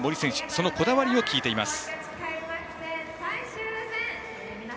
そのこだわりを聞いています。